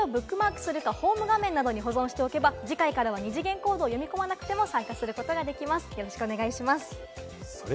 ページをブックマークするか、ホーム画面などに保存しておけば、次回からはニ次元コードを読み込まなくても参加することができます、よろしくお願いします。